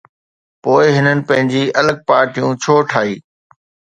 پوءِ هنن پنهنجي الڳ پارٽيون ڇو ٺاهي؟